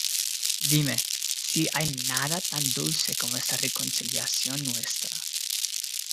¡ dime si hay nada tan dulce como esta reconciliación nuestra!